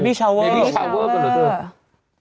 เบบี้ชาวเวอร์